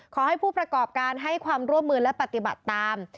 ขอให้ผู้ประกอบการให้ความร่วมมือและปฏิบัติตาม